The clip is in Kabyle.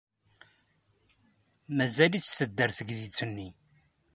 Mazal-itt tedder teydit-nni.